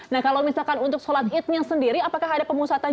nah kalau misalkan untuk sholat idnya sendiri apakah ada pemusatan